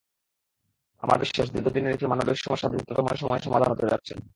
আমার বিশ্বাস, দীর্ঘদিনের একটি মানবিক সমস্যা দ্রুততম সময়ে সমাধান হতে যাচ্ছে।